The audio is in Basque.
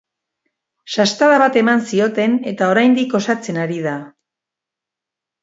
Sastada bat eman zioten, eta oraindik osatzen ari da.